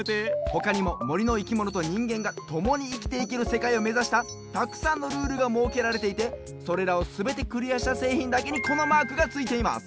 ほかにももりのいきものとにんげんがともにいきていけるせかいをめざしたたくさんのルールがもうけられていてそれらをすべてクリアしたせいひんだけにこのマークがついています。